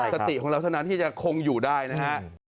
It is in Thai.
สติของเราเท่านั้นที่จะคงอยู่ได้นะฮะ